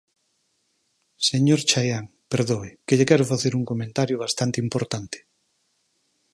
Señor Chaián, perdoe, que lle quero facer un comentario bastante importante.